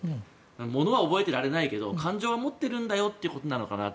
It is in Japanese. ものは覚えていられないけど感情は持っているんだよということなのかなと。